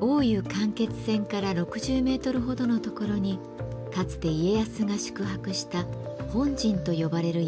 大湯間欠泉から６０メートルほどのところにかつて家康が宿泊した本陣と呼ばれる宿があったといいます。